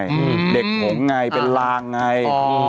เด็กหงไงเป็นลางไง